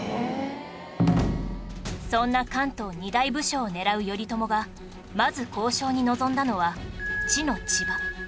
そんな関東２大武将を狙う頼朝がまず交渉に臨んだのは知の千葉